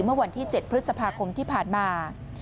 เมื่อวันที่๗พฤษภาคมที่ผ่านมา